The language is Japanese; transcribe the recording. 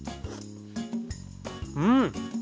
うん！